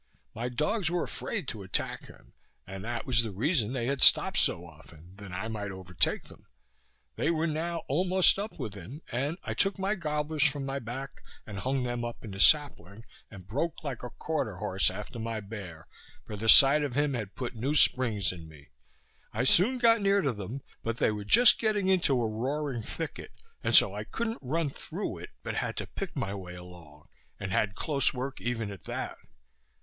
My dogs were afraid to attack him, and that was the reason they had stop'd so often, that I might overtake them. They were now almost up with him, and I took my goblers from my back and hung them up in a sapling, and broke like a quarter horse after my bear, for the sight of him had put new springs in me. I soon got near to them, but they were just getting into a roaring thicket, and so I couldn't run through it, but had to pick my way along, and had close work even at that.